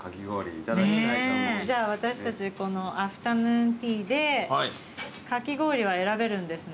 じゃあ私たちこのアフタヌーンティーでかき氷は選べるんですね？